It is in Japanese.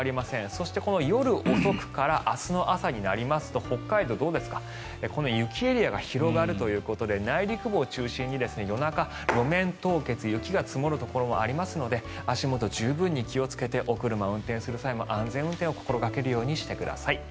そして、この夜遅くから明日の朝になりますと北海道どうですかこの雪エリアが広がるということで内陸部を中心に夜中、路面凍結雪が積もるところもありますので足元、十分に気をつけてお車を運転する際も安全運転を心掛けてください。